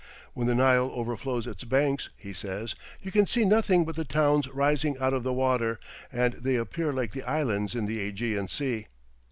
"When the Nile overflows its banks," he says, "you can see nothing but the towns rising out of the water, and they appear like the islands in the Ægean Sea."